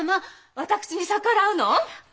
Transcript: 私に逆らうの？